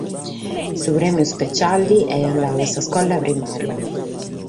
Su prèmiu ispetziale est andadu a s’iscola primària.